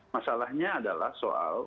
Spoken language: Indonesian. masalahnya adalah soal